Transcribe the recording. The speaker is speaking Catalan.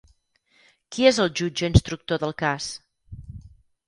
Qui és el jutge instructor del cas?